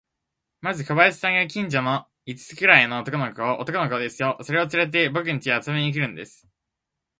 まず小林さんが、近所の五つくらいの男の子を、男の子ですよ、それをつれて、ぼくんちへ遊びに来るんです。